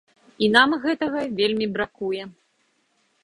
І нам гэтага вельмі бракуе.